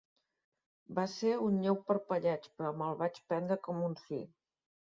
Va ser un lleu parpelleig, però me'l vaig prendre com un sí.